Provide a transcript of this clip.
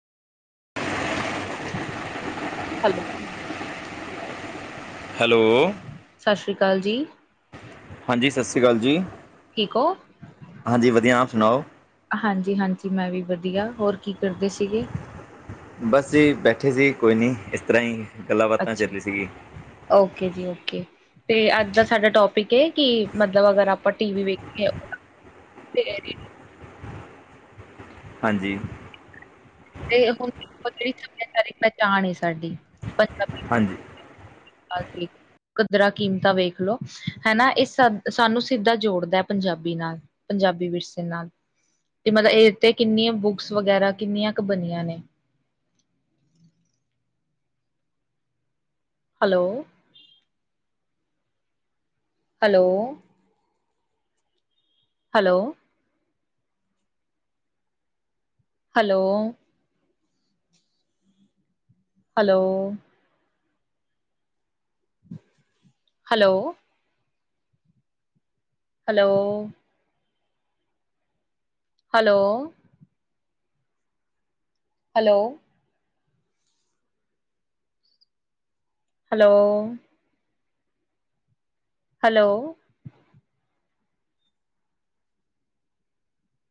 Hello, hello, ਸਤਿ ਸ਼੍ਰੀ ਅਕਾਲ ਜੀ, ਹਾਂਜੀ ਸਾਸਰੀ ਕਾਲ ਜੀ। ਠੀਕ ਹੋ? ਹਾਂਜੀ ਵਧੀਆ, ਆਪ ਸੁਣਾਓ? ਹਾਂਜੀ-ਹਾਂਜੀ ਮੈਂ ਵੀ ਵਧੀਆ, ਹੋਰ ਕੀ ਕਰਦੇ ਸੀਗੇ? ਬਸ ਜੀ ਬੈਠੇ ਸੀ, ਕੋਈ ਨਹੀਂ ਇਸ ਤਰ੍ਹਾਂ ਹੀ ਗੱਲਾਂ-ਬਾਤਾਂ ਚੱਲ ਅੱਛਾ। ਰੀ ਸੀਗੀ। ਓਕੇ ਜੀ ਓਕੇ। ਤੇ ਅੱਜ ਦਾ ਸਾਡਾ ਟੋਪਿਕ ਹੈ, ਕਿ ਮਤਲਬ ਅਗਰ ਆਪਾਂ ਟੀ ਵੀ ਵੇਖੀਏ ਤੇ ਐਡੀਡ। ਹਾਂਜੀ। ਤੇ ਹੁਣ ਮਤਲਬ ਸੱਭਿਆਚਾਰਕ ਪਹਿਚਾਣ ਏ ਸਾਡੀ ਹਾਂਜੀ। ਹਾਂ ਜੀ। ਕਦਰਾ-ਕੀਮਤਾਂ ਵੇਖ ਲਓ ਹਨਾ, ਇਹ ਸਾਨ-ਸਾਨੂੰ ਸਿੱਧਾ ਜੋੜਦਾ ਪੰਜਾਬੀ ਨਾਲ। ਪੰਜਾਬੀ ਵਿਰਸੇ ਨਾਲ, ਤੇ ਮਤਲਬ ਇਹਦੇ ਤੇ ਕਿੰਨੀਆਂ ਬੁੱਕਸ ਵਗੈਰਾ ਕਿੰਨੀਆਂ ਕੁ ਬਣੀਆਂ ਨੇ hello. Hello. Hello. Hello. Hello. Hello. Hello. Hello. Hello. Hello. Hello,